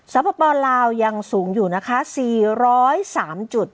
สภาพบาลลาวยังสูงอยู่นะคะสี่ร้อยสามจุด